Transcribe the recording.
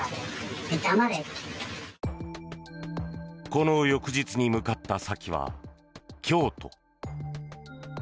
この翌日に向かった先は京都。